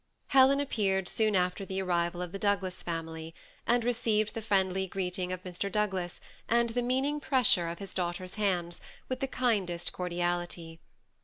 Helen appeared soon after the arrival of the Douglas family, and received the friendly greeting of Mr. Douglas, and the meaning pressure of his daugh ters' hands, with the kindest cordiality.